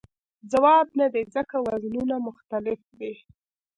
ځواب نه دی ځکه وزنونه مختلف دي.